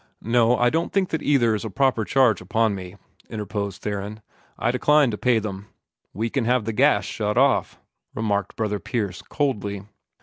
"No, I don't think that either is a proper charge upon me," interposed Theron. "I decline to pay them." "We can have the gas shut off," remarked Brother Pierce, coldly.